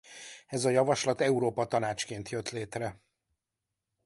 Ez a javaslat Európa Tanácsként jött létre.